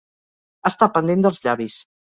Estar pendent dels llavis.